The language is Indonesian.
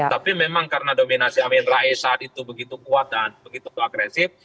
tapi memang karena dominasi amin rais saat itu begitu kuat dan begitu pro agresif